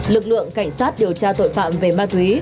lực lượng cảnh sát điều tra tội phạm về ma túy